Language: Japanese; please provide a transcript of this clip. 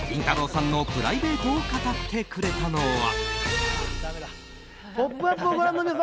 さんのプライベートを語ってくれたのは。